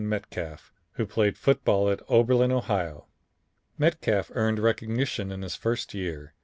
Metcalf, who played football at Oberlin, Ohio. Metcalf earned recognition in his first year.